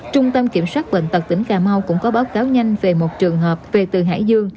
trung tâm kiểm soát bệnh tật tỉnh cà mau cũng có báo cáo nhanh về một trường hợp về từ hải dương